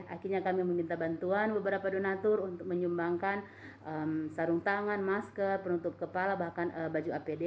akhirnya kami meminta bantuan beberapa donatur untuk menyumbangkan sarung tangan masker penutup kepala bahkan baju apd